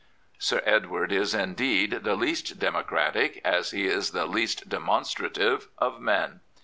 Sir Edward is, indeed, the least democratic, as he is the least demonstrative of men.